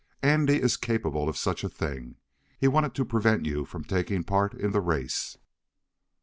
Andy is capable of such a thing. He wanted to prevent you from taking part in the race."